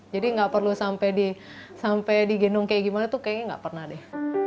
jadi nggak perlu sampai digendong kayak gimana tuh kayaknya nggak pernah deh